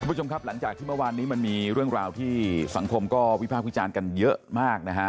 คุณผู้ชมครับหลังจากที่เมื่อวานนี้มันมีเรื่องราวที่สังคมก็วิพากษ์วิจารณ์กันเยอะมากนะฮะ